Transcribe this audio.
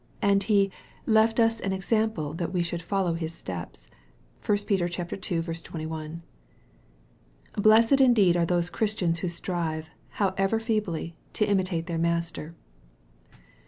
And He " left us an example that we should follow His steps." (1 Peter ii. 21.) Blessed indeed are those Christians who strive, however feebly, to imitate their Master